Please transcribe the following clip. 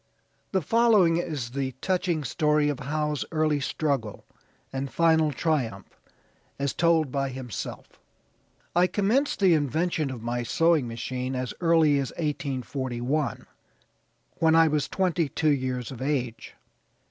The following is the touching story of Howe's early struggle and final triumph as told by himself: "I commenced the invention of my sewing machine as early as 1841, when I was twenty two years of age.